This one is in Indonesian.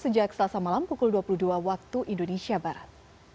sejak selasa malam pukul dua puluh dua waktu indonesia barat